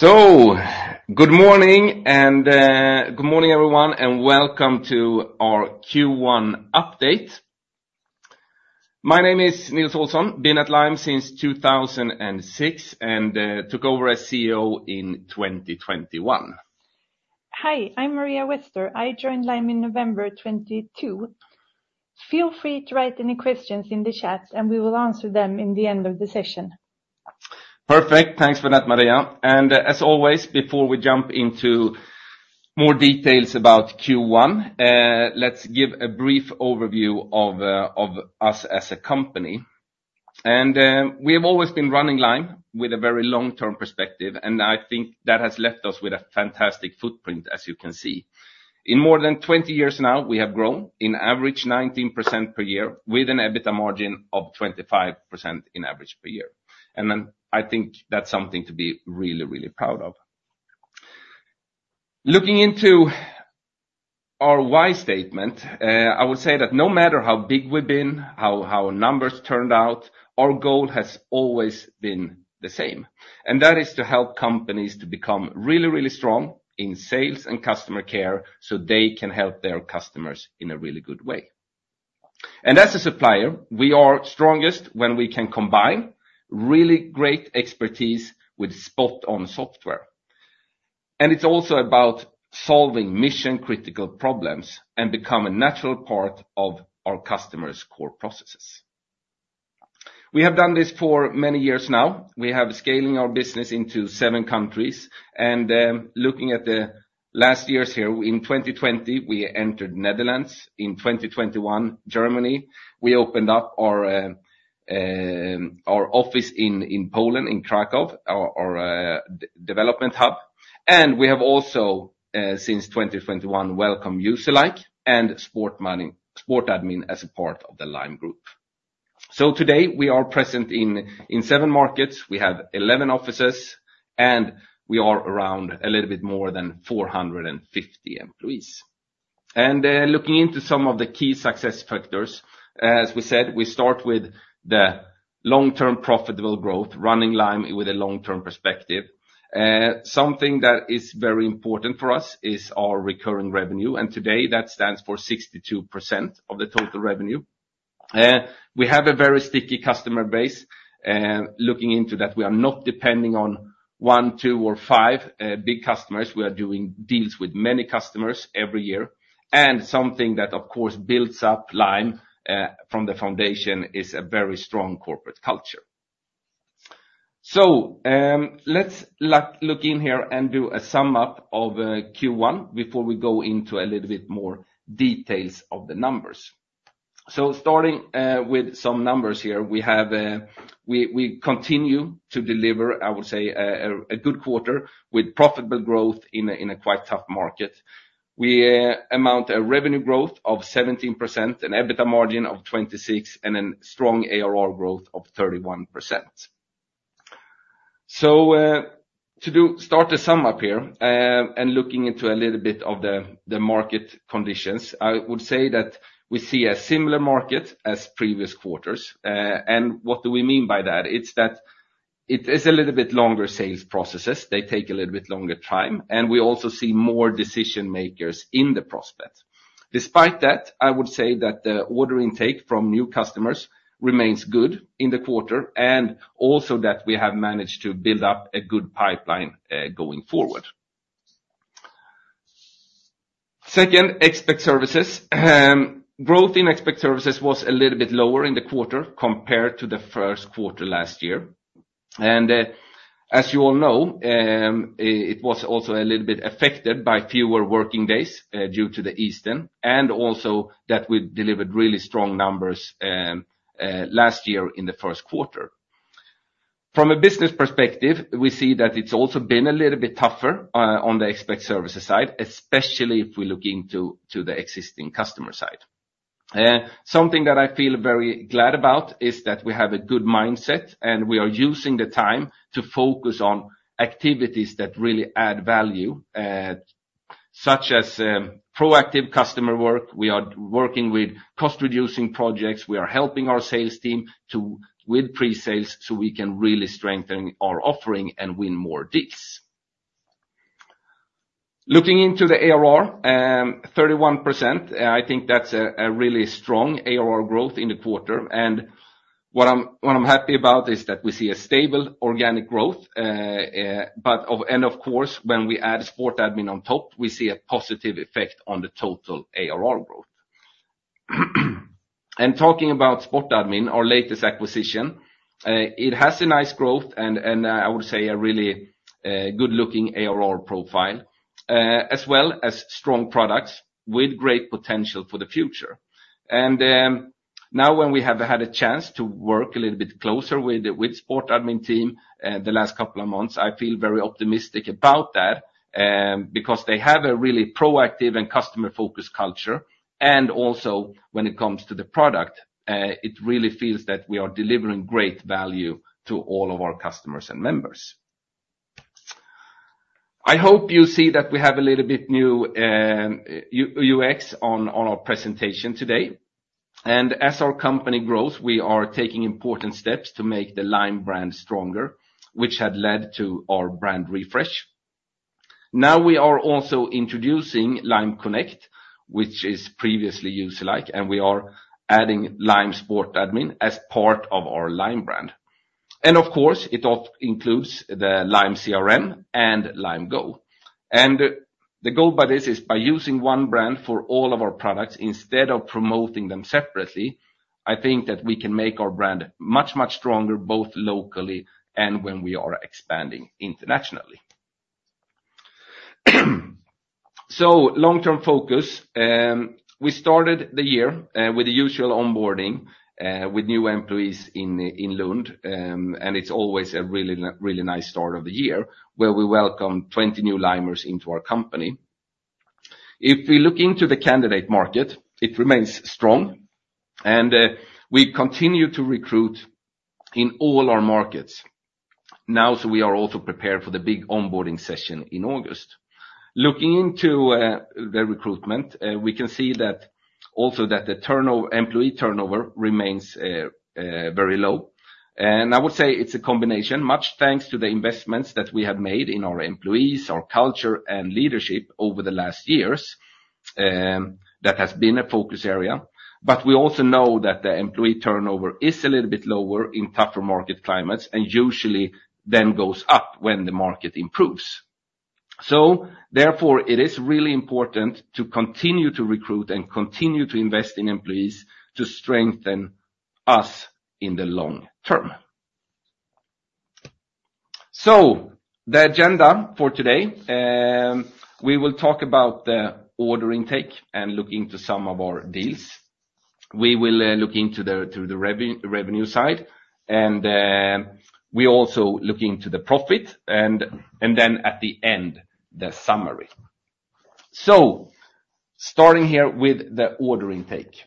Good morning and good morning everyone, and welcome to our Q1 update. My name is Nils Olsson. Been at Lime since 2006 and took over as CEO in 2021. Hi, I'm Maria Wester. I joined Lime in November 2022. Feel free to write any questions in the chats, and we will answer them in the end of the session. Perfect. Thanks for that, Maria. As always, before we jump into more details about Q1, let's give a brief overview of us as a company. We have always been running Lime with a very long-term perspective, and I think that has left us with a fantastic footprint, as you can see. In more than 20 years now, we have grown in average 19% per year, with an EBITDA margin of 25% in average per year. Then I think that's something to be really, really proud of. Looking into our why statement, I would say that no matter how big we've been, how numbers turned out, our goal has always been the same, and that is to help companies to become really, really strong in sales and customer care so they can help their customers in a really good way. As a supplier, we are strongest when we can combine really great expertise with spot-on software. It's also about solving mission-critical problems and becoming a natural part of our customers' core processes. We have done this for many years now. We have scaling our business into 7 countries and, looking at the last years here, in 2020 we entered the Netherlands, in 2021 Germany. We opened up our office in Poland, in Krakow, our development hub. We have also, since 2021, welcomed Userlike and SportAdmin as a part of the Lime Group. So today we are present in 7 markets. We have 11 offices, and we are around a little bit more than 450 employees. Looking into some of the key success factors, as we said, we start with the long-term profitable growth, running Lime with a long-term perspective. Something that is very important for us is our recurring revenue, and today that stands for 62% of the total revenue. We have a very sticky customer base. Looking into that, we are not depending on one, two, or five big customers. We are doing deals with many customers every year. And something that, of course, builds up Lime from the foundation is a very strong corporate culture. So, let's look in here and do a sum up of Q1 before we go into a little bit more details of the numbers. So, starting with some numbers here, we continue to deliver, I would say, a good quarter with profitable growth in a quite tough market. We amount to a revenue growth of 17%, an EBITDA margin of 26%, and a strong ARR growth of 31%. So, to start to sum up here, and looking into a little bit of the market conditions, I would say that we see a similar market as previous quarters. And what do we mean by that? It's that it is a little bit longer sales processes. They take a little bit longer time. And we also see more decision makers in the prospect. Despite that, I would say that the order intake from new customers remains good in the quarter, and also that we have managed to build up a good pipeline, going forward. Second, Expert Services. Growth in Expert Services was a little bit lower in the quarter compared to the first quarter last year. And, as you all know, it was also a little bit affected by fewer working days, due to the Easter. Also that we delivered really strong numbers last year in the first quarter. From a business perspective, we see that it's also been a little bit tougher on the Expert Services side, especially if we look into the existing customer side. Something that I feel very glad about is that we have a good mindset and we are using the time to focus on activities that really add value, such as proactive customer work. We are working with cost-reducing projects. We are helping our sales team with pre-sales so we can really strengthen our offering and win more deals. Looking into the ARR, 31%. I think that's a really strong ARR growth in the quarter. And what I'm happy about is that we see a stable organic growth. But of course, when we add SportAdmin on top, we see a positive effect on the total ARR growth. And talking about SportAdmin, our latest acquisition, it has a nice growth and I would say a really good-looking ARR profile, as well as strong products with great potential for the future. And now when we have had a chance to work a little bit closer with the SportAdmin team the last couple of months, I feel very optimistic about that, because they have a really proactive and customer-focused culture. And also when it comes to the product, it really feels that we are delivering great value to all of our customers and members. I hope you see that we have a little bit new UX on our presentation today. As our company grows, we are taking important steps to make the Lime brand stronger, which had led to our brand refresh. Now we are also introducing Lime Connect, which is previously Userlike, and we are adding Lime SportAdmin as part of our Lime brand. And of course, it includes the Lime CRM and Lime Go. And the goal by this is by using one brand for all of our products instead of promoting them separately, I think that we can make our brand much, much stronger, both locally and when we are expanding internationally. Long-term focus. We started the year with the usual onboarding with new employees in Lund. And it's always a really, really nice start of the year where we welcome 20 new Limers into our company. If we look into the candidate market, it remains strong, and we continue to recruit in all our markets now. We are also prepared for the big onboarding session in August. Looking into the recruitment, we can see that the employee turnover remains very low. I would say it's a combination, much thanks to the investments that we have made in our employees, our culture, and leadership over the last years that has been a focus area. But we also know that the employee turnover is a little bit lower in tougher market climates and usually then goes up when the market improves. Therefore, it is really important to continue to recruit and continue to invest in employees to strengthen us in the long term. The agenda for today, we will talk about the order intake and look into some of our deals. We will look into the revenue side and we also look into the profit and then at the end, the summary. Starting here with the order intake.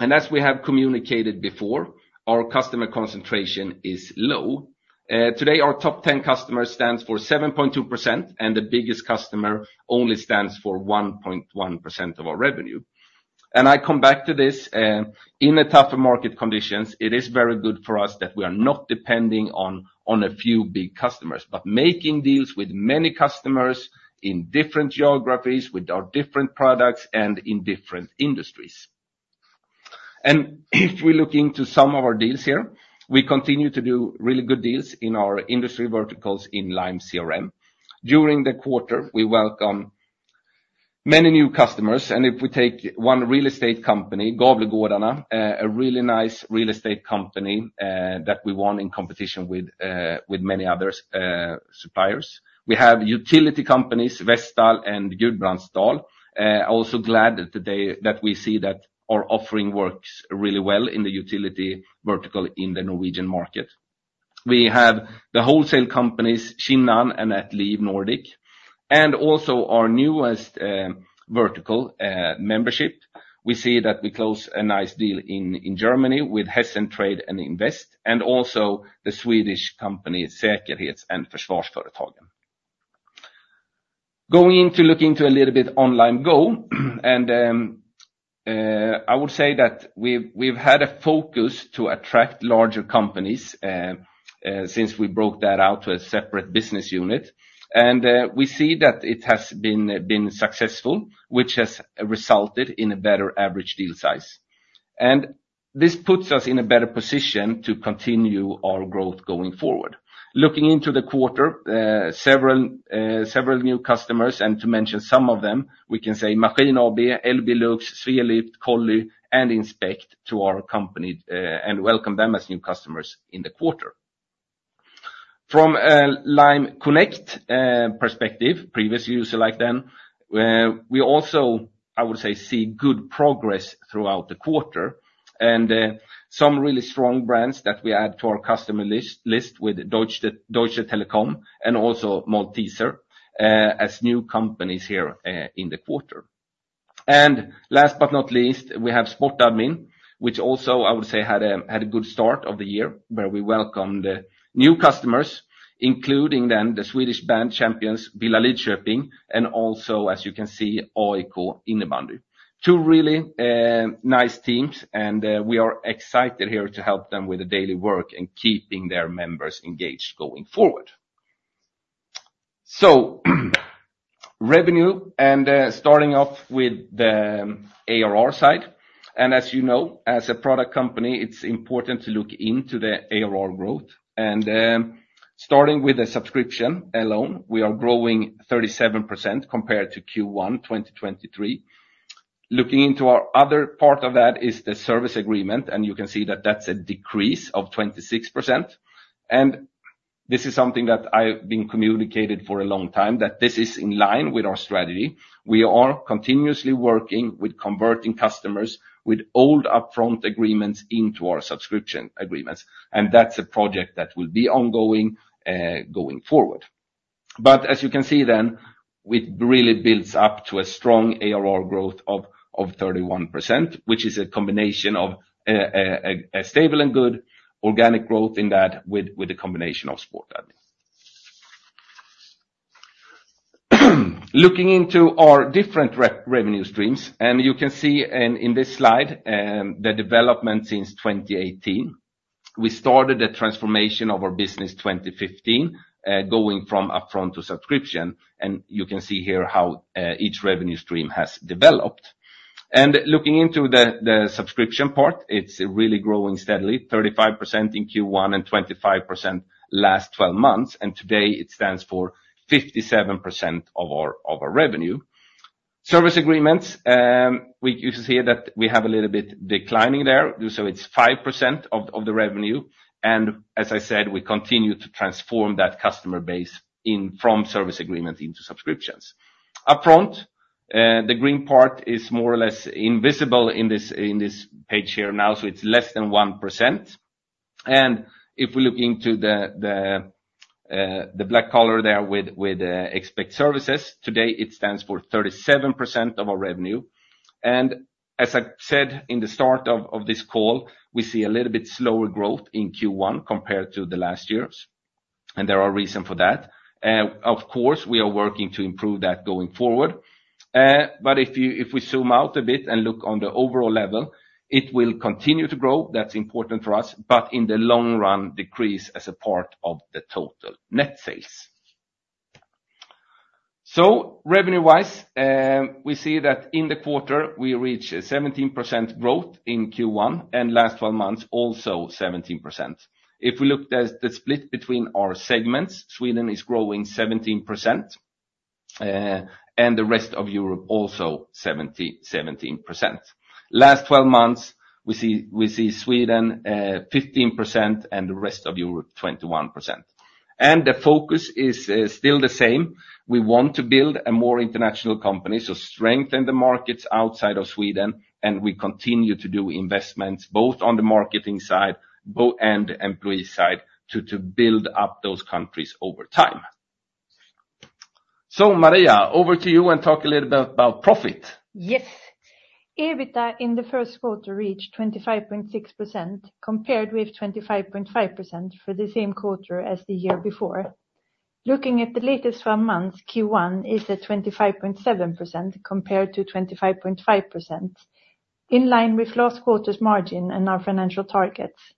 As we have communicated before, our customer concentration is low. Today our top 10 customers stands for 7.2%, and the biggest customer only stands for 1.1% of our revenue. I come back to this in a tougher market conditions. It is very good for us that we are not depending on a few big customers, but making deals with many customers in different geographies with our different products and in different industries. If we look into some of our deals here, we continue to do really good deals in our industry verticals in Lime CRM. During the quarter, we welcome many new customers. If we take one real estate company, Gävlegårdarna, a really nice real estate company, that we won in competition with, with many others, suppliers, we have utility companies, Vestall and Gudbrandsdal. Also glad that today that we see that our offering works really well in the utility vertical in the Norwegian market. We have the wholesale companies, Kinnan and Ahlsell Nordic, and also our newest, vertical, membership. We see that we close a nice deal in, in Germany with Hessen Trade and Invest and also the Swedish company Säkerhets- och Försvarsföretagen. Going into, looking into a little bit on Lime Go. I would say that we've, we've had a focus to attract larger companies, since we broke that out to a separate business unit. We see that it has been, been successful, which has resulted in a better average deal size. And this puts us in a better position to continue our growth going forward. Looking into the quarter, several new customers, and to mention some of them, we can say Maskin AB, LB Lux, Swelift, Colly, and Inspektour company, and welcome them as new customers in the quarter. From a Lime Connect perspective, previous Userlike then, we also, I would say, see good progress throughout the quarter and some really strong brands that we add to our customer list with Deutsche Telekom and also Malteser, as new companies here, in the quarter. And last but not least, we have SportAdmin, which also I would say had a good start of the year where we welcomed new customers, including then the Swedish bandy champions Villa Lidköping and also, as you can see, AIK Innebandy. Two really nice teams. We are excited here to help them with the daily work and keeping their members engaged going forward. So, revenue, and starting off with the ARR side. As you know, as a product company, it's important to look into the ARR growth. Starting with the subscription alone, we are growing 37% compared to Q1 2023. Looking into our other part of that is the service agreement. You can see that that's a decrease of 26%. This is something that I've been communicating for a long time, that this is in line with our strategy. We are continuously working with converting customers with old upfront agreements into our subscription agreements. That's a project that will be ongoing, going forward. But as you can see then, it really builds up to a strong ARR growth of 31%, which is a combination of a stable and good organic growth in that with a combination of SportAdmin. Looking into our different revenue streams. You can see in this slide the development since 2018. We started the transformation of our business 2015, going from upfront to subscription. You can see here how each revenue stream has developed. Looking into the subscription part, it's really growing steadily, 35% in Q1 and 25% last 12 months. Today it stands for 57% of our revenue. Service agreements, we can see that we have a little bit declining there. So it's 5% of the revenue. As I said, we continue to transform that customer base in from service agreements into subscriptions upfront. The green part is more or less invisible in this page here now. So it's less than 1%. And if we look into the black color there with Expert Services today, it stands for 37% of our revenue. And as I said in the start of this call, we see a little bit slower growth in Q1 compared to last year's. And there are reasons for that. Of course, we are working to improve that going forward. But if we zoom out a bit and look on the overall level, it will continue to grow. That's important for us. But in the long run, decrease as a part of the total net sales. So revenue-wise, we see that in the quarter we reach a 17% growth in Q1 and last 12 months, also 17%. If we looked at the split between our segments, Sweden is growing 17%, and the rest of Europe also 17%. Last 12 months we see, we see Sweden 15% and the rest of Europe 21%. The focus is still the same. We want to build a more international company, so strengthen the markets outside of Sweden. We continue to do investments both on the marketing side and employee side to, to build up those countries over time. So Maria, over to you and talk a little bit about profit. Yes. EBITDA in the first quarter reached 25.6% compared with 25.5% for the same quarter as the year before. Looking at the latest five months, Q1 is at 25.7% compared to 25.5%, in line with last quarter's margin and our financial targets.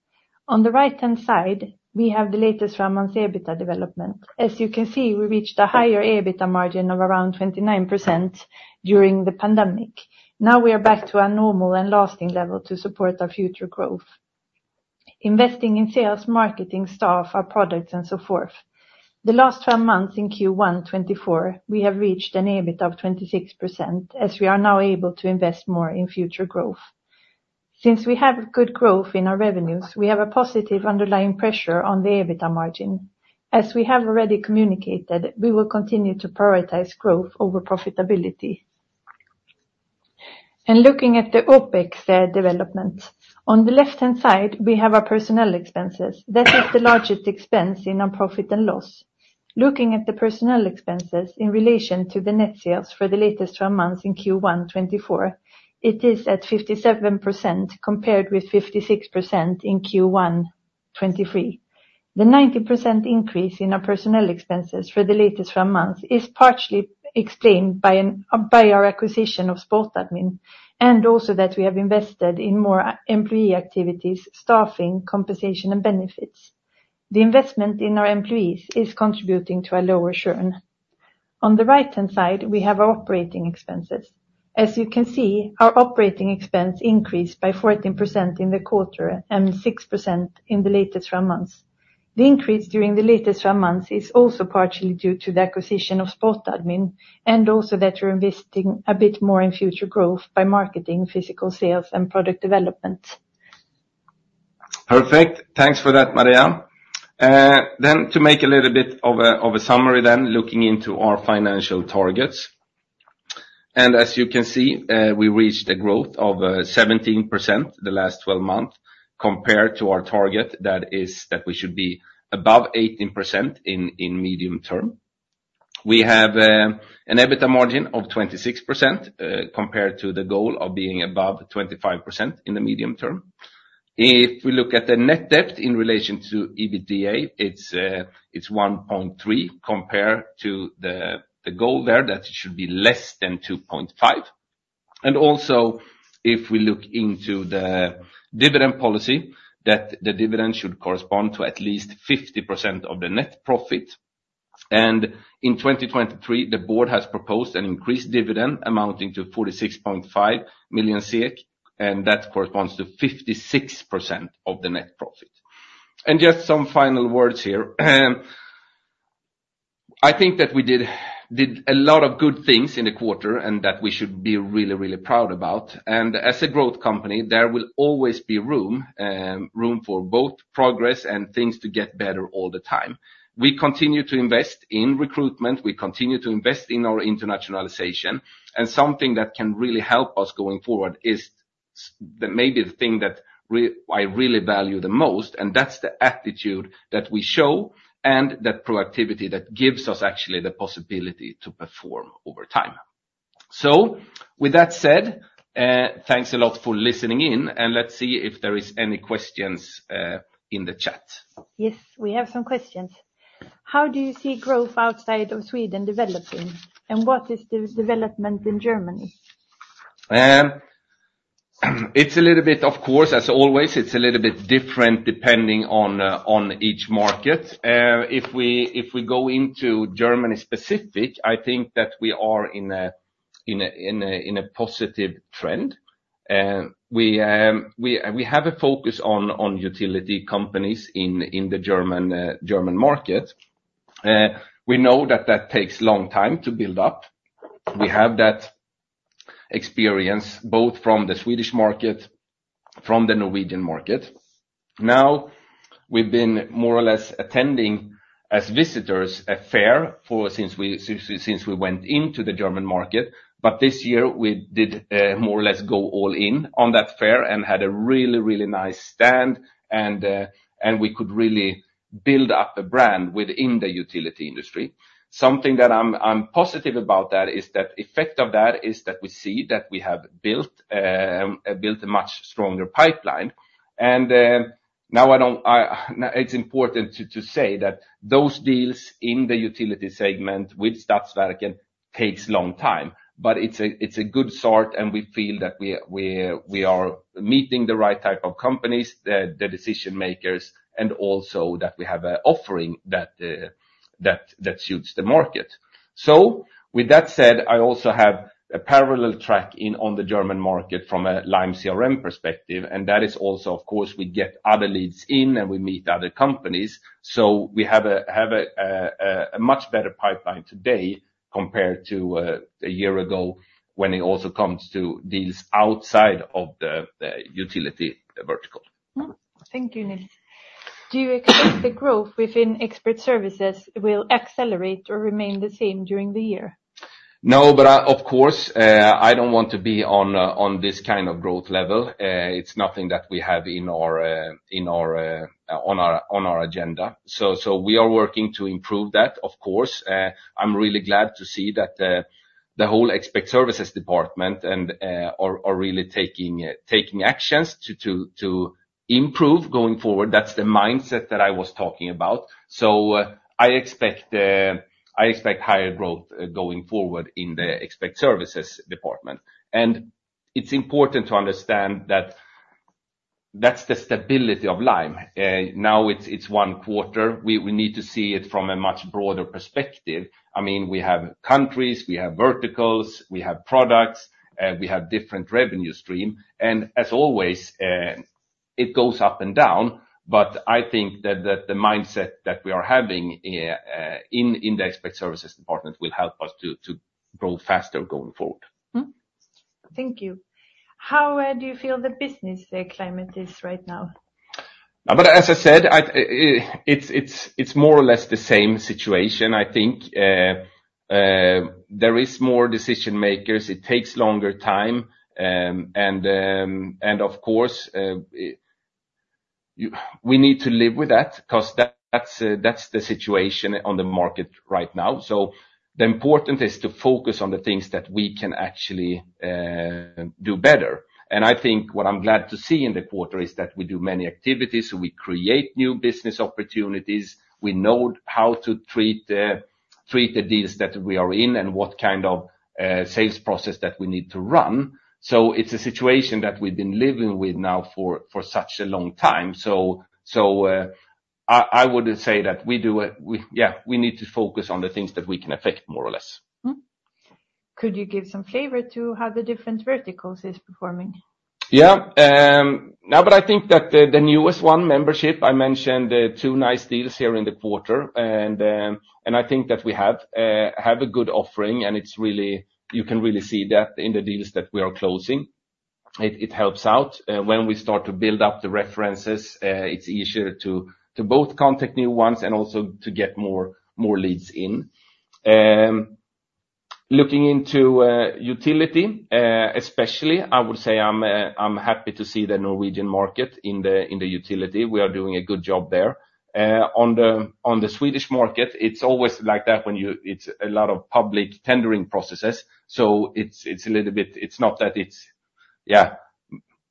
On the right hand side, we have the latest five months EBITDA development. As you can see, we reached a higher EBITDA margin of around 29% during the pandemic. Now we are back to a normal and lasting level to support our future growth. Investing in sales, marketing, staff, our products, and so forth. The last five months in Q1 2024, we have reached an EBITDA of 26%, as we are now able to invest more in future growth. Since we have good growth in our revenues, we have a positive underlying pressure on the EBITDA margin. As we have already communicated, we will continue to prioritize growth over profitability. Looking at the OpEx development on the left hand side, we have our personnel expenses. That is the largest expense in our profit and loss. Looking at the personnel expenses in relation to the net sales for the latest five months in Q1 2024, it is at 57% compared with 56% in Q1 2023. The 90% increase in our personnel expenses for the latest five months is partially explained by our acquisition of SportAdmin and also that we have invested in more employee activities, staffing, compensation, and benefits. The investment in our employees is contributing to a lower churn. On the right hand side, we have our operating expenses. As you can see, our operating expense increased by 14% in the quarter and 6% in the latest five months. The increase during the latest five months is also partially due to the acquisition of SportAdmin and also that we're investing a bit more in future growth by marketing, physical sales, and product development. Perfect. Thanks for that, Maria. Then, to make a little bit of a summary, looking into our financial targets. As you can see, we reached a growth of 17% the last 12 months compared to our target. That is that we should be above 18% in the medium term. We have an EBITDA margin of 26%, compared to the goal of being above 25% in the medium term. If we look at the net debt in relation to EBITDA, it's 1.3 compared to the goal there that it should be less than 2.5. Also, if we look into the dividend policy, that the dividend should correspond to at least 50% of the net profit. In 2023, the board has proposed an increased dividend amounting to 46.5 million SEK, and that corresponds to 56% of the net profit. Just some final words here. I think that we did, did a lot of good things in the quarter and that we should be really, really proud about. And as a growth company, there will always be room, room for both progress and things to get better all the time. We continue to invest in recruitment. We continue to invest in our internationalization. And something that can really help us going forward is that maybe the thing that really I really value the most, and that's the attitude that we show and that proactivity that gives us actually the possibility to perform over time. So with that said, thanks a lot for listening in. And let's see if there are any questions in the chat. Yes, we have some questions. How do you see growth outside of Sweden developing? And what is the development in Germany? It's a little bit, of course, as always, a little bit different depending on each market. If we go into Germany specifically, I think that we are in a positive trend. We have a focus on utility companies in the German market. We know that takes a long time to build up. We have that experience both from the Swedish market, from the Norwegian market. Now we've been more or less attending as visitors a fair ever since we went into the German market. But this year we did more or less go all in on that fair and had a really nice stand. And we could really build up a brand within the utility industry. Something that I'm positive about is that effect of that is that we see that we have built a much stronger pipeline. Now it's important to say that those deals in the utility segment with Stadtwerke takes a long time, but it's a good start. We feel that we are meeting the right type of companies, the decision makers, and also that we have an offering that suits the market. So with that said, I also have a parallel track in on the German market from a Lime CRM perspective. That is also, of course, we get other leads in and we meet other companies. We have a much better pipeline today compared to a year ago when it also comes to deals outside of the utility vertical. Thank you, Nils. Do you expect the growth within Expert Services will accelerate or remain the same during the year? No, but of course, I don't want to be on this kind of growth level. It's nothing that we have on our agenda. So we are working to improve that. Of course, I'm really glad to see that the whole Expert Services department is really taking actions to improve going forward. That's the mindset that I was talking about. So, I expect higher growth going forward in the Expert Services department. And it's important to understand that that's the stability of Lime. Now it's one quarter. We need to see it from a much broader perspective. I mean, we have countries, we have verticals, we have products, we have different revenue streams. As always, it goes up and down. But I think that the mindset that we are having in the Expert Services department will help us to grow faster going forward. Thank you. How do you feel the business climate is right now? No, but as I said, it's more or less the same situation, I think. There are more decision makers. It takes longer time. And of course, we need to live with that because that's the situation on the market right now. So the important is to focus on the things that we can actually do better. And I think what I'm glad to see in the quarter is that we do many activities, so we create new business opportunities. We know how to treat the deals that we are in and what kind of sales process that we need to run. So it's a situation that we've been living with now for such a long time. So, I would say that we do it. We, yeah, we need to focus on the things that we can affect more or less. Could you give some flavor to how the different verticals are performing? Yeah, no, but I think that the newest one, membership, I mentioned the two nice deals here in the quarter. And I think that we have a good offering. And it's really you can really see that in the deals that we are closing. It helps out. When we start to build up the references, it's easier to both contact new ones and also to get more leads in. Looking into utility, especially, I would say I'm happy to see the Norwegian market in the utility. We are doing a good job there. On the Swedish market, it's always like that when you it's a lot of public tendering processes. So it's a little bit it's not that it's, yeah,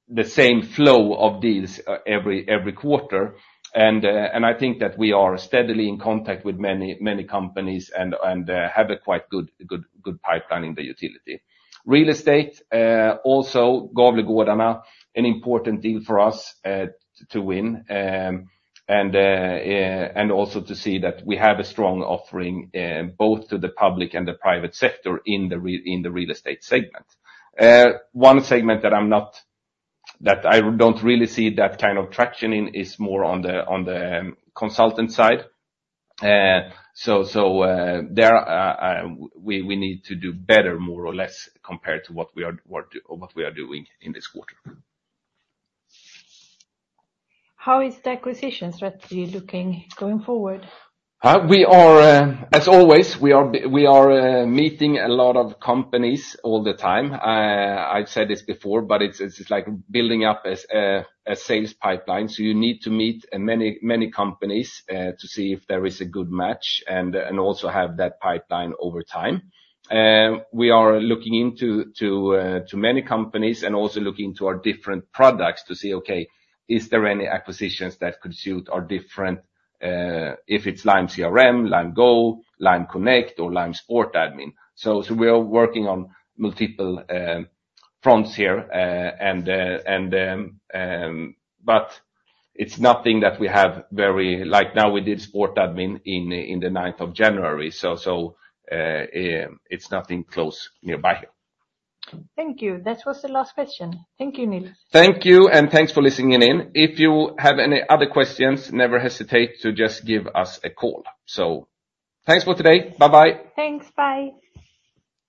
the same flow of deals every quarter. And I think that we are steadily in contact with many companies and have a quite good pipeline in the utility real estate. Also, Gävlegårdarna are an important deal for us to win and also to see that we have a strong offering, both to the public and the private sector in the real estate segment. One segment that I don't really see that kind of traction in is more on the consultant side. So there, we need to do better, more or less, compared to what we are doing in this quarter. How is the acquisition strategy looking going forward? We are, as always, meeting a lot of companies all the time. I've said this before, but it's like building up a sales pipeline. So you need to meet many companies to see if there is a good match and also have that pipeline over time. We are looking into many companies and also looking into our different products to see, okay, is there any acquisitions that could suit our different? If it's Lime CRM, Lime Go, Lime Connect, or Lime SportAdmin. So we are working on multiple fronts here. But it's nothing that we have very likely now. We did SportAdmin in the 9th of January. So it's nothing close nearby. Thank you. That was the last question. Thank you, Nils. Thank you. And thanks for listening in. If you have any other questions, never hesitate to just give us a call. So thanks for today. Bye bye. Thanks. Bye.